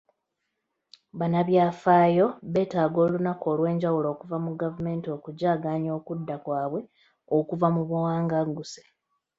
Bannabyafaayo beetaaga olunaku olw'enjawulo okuva mu gavumenti okujaganya okudda kwabwe okuva mu buwanganguse.